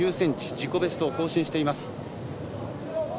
自己ベストを更新しています。